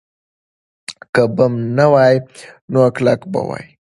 که بم نه وای، نو کلک به وای.